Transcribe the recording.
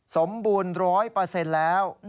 สมบูรณ์ร้อยเปอร์เซ็นต์แล้ว